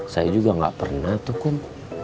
saya juga gak pernah tuh